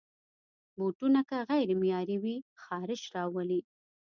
بوټونه که غیر معیاري وي، خارش راولي.